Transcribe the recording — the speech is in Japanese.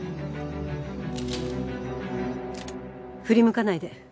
振り向かないで。